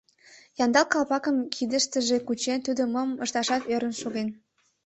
Янда калпакым кидыштыже кучен, тудо мом ышташат ӧрын шоген: